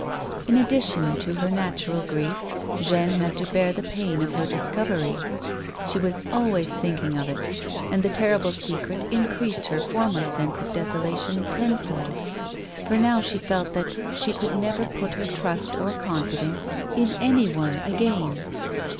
In addition to her natural grief, Jeanne had to bear the pain of her discovery. She was always thinking of it, and the terrible secret increased her former sense of desolation tenfold, for now she felt that she could never put her trust or confidence in any one again.